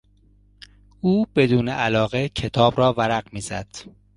او بدون علاقه کتاب را ورق میزد.